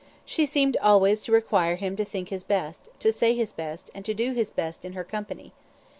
She seemed always to require him to think his best, to say his best, and to do his best in her company.